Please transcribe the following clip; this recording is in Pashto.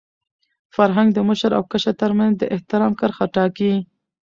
فرهنګ د مشر او کشر تر منځ د احترام کرښه ټاکي.